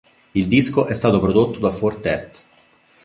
Il disco è stato prodotto da Four Tet.